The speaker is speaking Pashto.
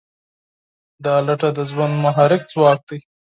دا لټه د ژوند محرک ځواک دی.